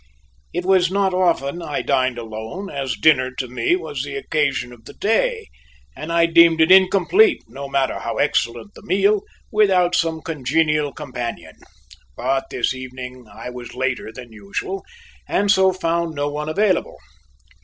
It was not often I dined alone, as dinner to me was the occasion of the day and I deemed it incomplete, no matter how excellent the meal, without some congenial companion; but this evening I was later than usual, and so found no one available.